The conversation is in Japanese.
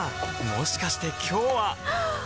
もしかして今日ははっ！